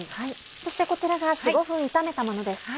そしてこちらが４５分炒めたものです。